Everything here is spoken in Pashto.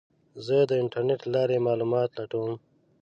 زه د انټرنیټ له لارې معلومات لټوم.